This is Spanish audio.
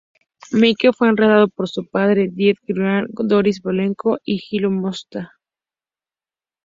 Mike fue entrenado por su padre Eddie Graham, Boris Malenko y Hiro Matsuda.